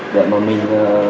để mà mình